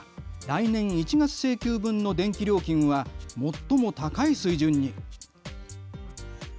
来年１月請求分の電気料金は最も高い水準に。